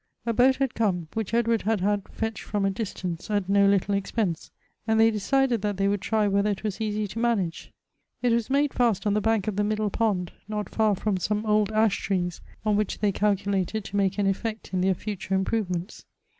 A boat had come, which Edward had had fetched from a distance, at no little expense ; and they decided that they would try whether it was easy to manage. It was made fast on the bank of the middle pond, not far from some old ash trees, on which they calculated to make an effect in their future improvements.